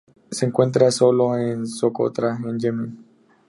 Se encuentra solo en Socotra, en Yemen.